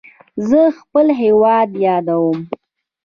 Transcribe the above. زه خپل هیواد یادوم.